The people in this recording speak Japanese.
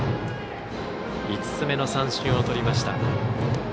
５つ目の三振をとりました。